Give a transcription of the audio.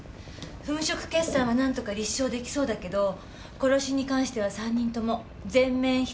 粉飾決算はなんとか立証出来そうだけど殺しに関しては３人とも全面否定だって。